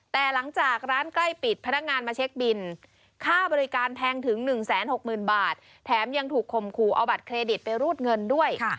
แต่หลังจากร้านใกล้ปิดพนักงานมาเช็คบินค่าบริการแพงถึง๑๖๐๐๐บาทแถมยังถูกคมขู่เอาบัตรเครดิตไปรูดเงินด้วย